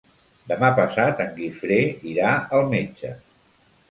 Demà passat en Guifré irà al metge.